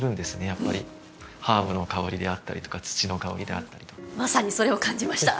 やっぱりハーブの香りであったりとか土の香りであったりとまさにそれを感じました